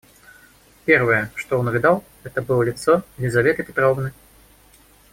Первое, что он увидал, это было лицо Лизаветы Петровны.